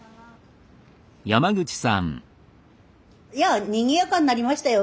いやにぎやかになりましたよ。